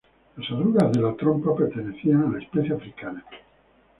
Las arrugas de la trompa pertenecían a la especie africana.